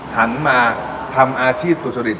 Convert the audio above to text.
หันมาทำอาชีพสุจริต